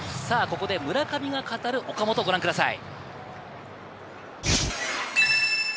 ここで村上が語る岡本、ご覧ください。